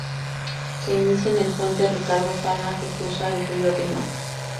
Se inicia en el puente Ricardo Palma, que cruza el río Rímac.